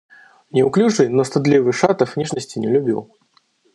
Неуклюжий, но стыдливый Шатов нежностей не любил.